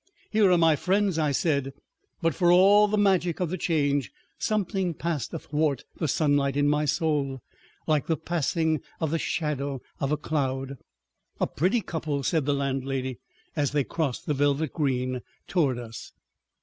"Here are my friends," I said; but for all the magic of the Change, something passed athwart the sunlight in my soul like the passing of the shadow of a cloud. "A pretty couple," said the landlady, as they crossed the velvet green toward us.